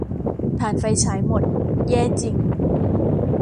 ถ่านไฟฉายหมด แย่จริง